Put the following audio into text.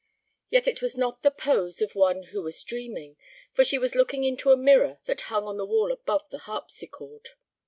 Yet it was not the pose of one who was dreaming, for she was looking into a mirror that hung on the wall above the harpsichord.